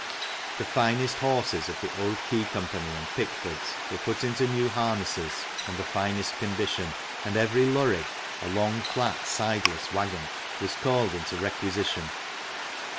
The finest horses of the Old Quay Company and Pickford's were put into new harness and the finest condition, and every lurry (a long, flat, sideless waggon) was called into requisition.